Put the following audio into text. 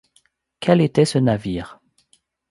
Quel était ce navire ?